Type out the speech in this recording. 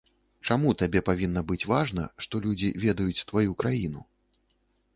Чаму табе павінна быць важна, што людзі ведаюць тваю краіну?